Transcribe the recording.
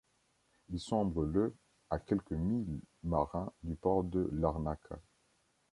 Il sombre le à quelques milles marins du port de Larnaca.